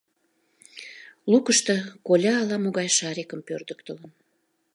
Лукышто коля ала могай шарикым пӧрдыктылын.